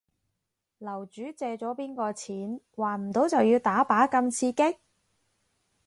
樓主借咗邊個錢？還唔到就要打靶咁刺激